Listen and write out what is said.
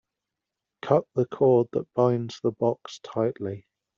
Cut the cord that binds the box tightly.